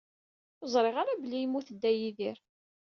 Ur ẓriɣ ara belli yemmut Dda Yidir.